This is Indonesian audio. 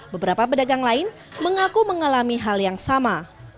beberapa pedagang lain mengaku mengalami hal yang sama